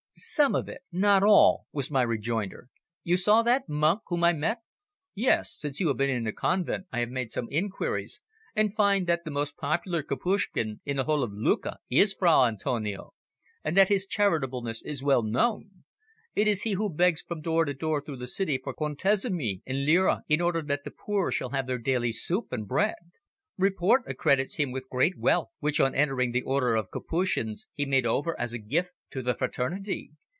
"Some of it, not all," was my rejoinder. "You saw that monk whom I met?" "Yes. Since you have been in the convent I have made some inquiries, and find that the most popular Capuchin in the whole of Lucca is Fra Antonio, and that his charitableness is well known. It is he who begs from door to door through the city for contesimi and lire in order that the poor shall have their daily soup and bread. Report accredits him with great wealth, which on entering the Order of the Capuchins he made over as a gift to the fraternity.